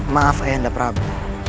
maaf ayanda prabu